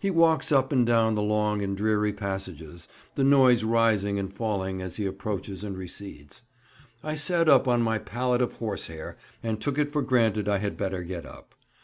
He walks up and down the long and dreary passages, the noise rising and falling as he approaches and recedes. I sat up on my pallet of horsehair, and took it for granted I had better get up.